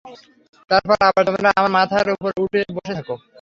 তারপরে আবার তোমারা আমার মাথার উপর বসে থাকো!